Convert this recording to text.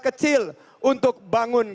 kecil untuk bangun